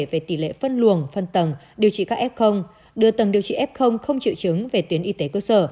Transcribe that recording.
về tỷ lệ phân luồng phân tầng điều trị các f đưa tầng điều trị f không triệu chứng về tuyến y tế cơ sở